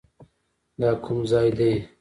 دا کوم ځاى دى.